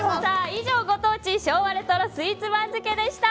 以上、ご当地昭和レトロスイーツ番付でした。